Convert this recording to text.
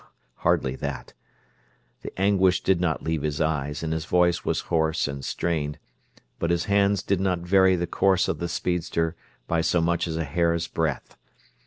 "Hardly that." The anguish did not leave his eyes and his voice was hoarse and strained, but his hands did not vary the course of the speedster by so much as a hair's breadth.